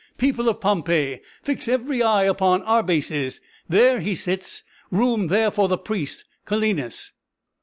People of Pompeii, fix every eye upon Arbaces; there he sits! Room there for the priest Calenus!"